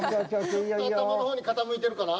頭の方に傾いてるかな。